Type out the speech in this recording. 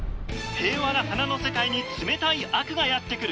平和な鼻の世界に冷たい悪がやって来る。